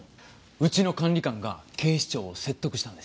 うちの管理官が警視庁を説得したんですよ。